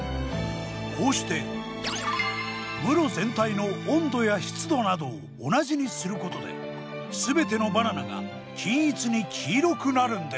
こうして室全体の温度や湿度などを同じにすることで全てのバナナが均一に黄色くなるんです。